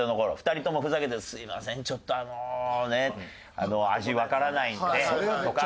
２人ともふざけて「すいませんちょっとあの味わからないんで」とか。